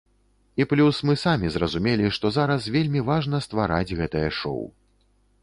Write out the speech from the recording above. І плюс мы самі зразумелі, што зараз вельмі важна ствараць гэтае шоў.